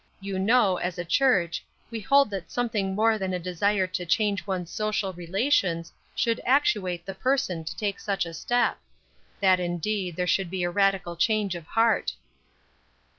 You know, as a church, we hold that something more than a desire to change one's social relations should actuate the person to take such a step; that, indeed, there should be a radical change of heart."